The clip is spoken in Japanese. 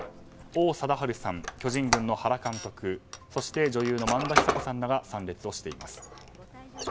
王貞治さん、巨人軍の原監督女優の萬田久子さんらが参列しています。